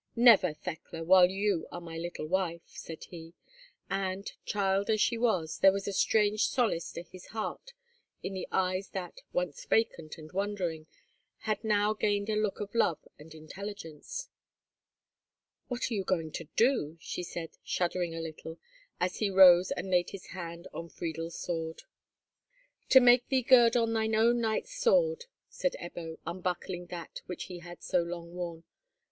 "Never, Thekla! while you are my little wife," said he; and, child as she was, there was strange solace to his heart in the eyes that, once vacant and wondering, had now gained a look of love and intelligence. "What are you going to do?" she said, shuddering a little, as he rose and laid his hand on Friedel's sword. "To make thee gird on thine own knight's sword," said Ebbo, unbuckling that which he had so long worn.